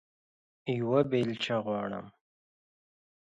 یوه بیلچه غواړم